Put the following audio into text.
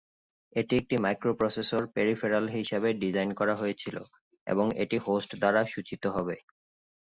এটি একটি microprocessor peripheral হিসাবে ডিজাইন করা হয়েছিল, এবং এটি হোস্ট দ্বারা সূচিত হতে হবে।